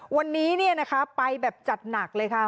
วันนี้ไปแบบจัดหนักเลยค่ะ